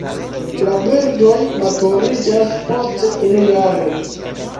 La birdoj maturiĝas post unu jaro.